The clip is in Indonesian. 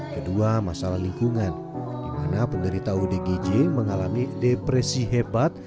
kedua masalah lingkungan di mana penderita odgj mengalami depresi hebat